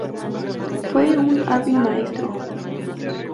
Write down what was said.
Fue un hábil maestro.